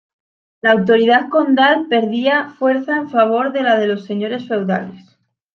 La autoridad condal perdía fuerza en favor de la de los señores feudales.